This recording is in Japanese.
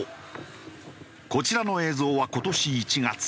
こちらの映像は今年１月。